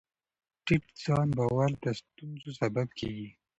ټیټ ځان باور د ستونزو سبب کېږي.